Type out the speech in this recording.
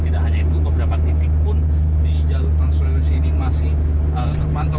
tidak hanya itu beberapa titik pun di jalur trans sulawesi ini masih terpantau